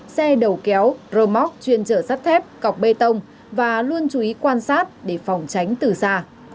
xe đầu kéo rô móc chuyên trở sát thép cọc bê tông và luôn chú ý quan sát để phòng tránh từ xa